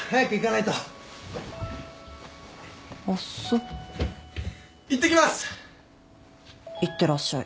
いってらっしゃい。